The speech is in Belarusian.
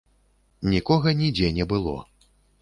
Нікога нідзе не было.